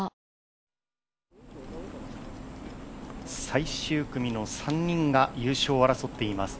最終組の３人が優勝を争っています。